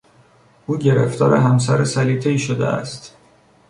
او گرفتار همسر سلیطهای شده است.